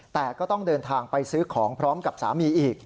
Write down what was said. แต่ก็ต้องเดินทางไปซื้อของพร้อมกับสามีอีก